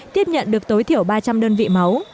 tiếp nhận được tối thiểu ba trăm linh đơn vị máu